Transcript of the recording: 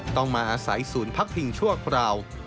ต้องมาอาศัยศูนย์พักพิงชั่วคราว